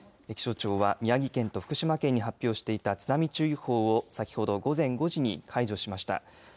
気象庁は宮城県と福島県に発表していた津波注意報を先ほど午前５時に解除しました。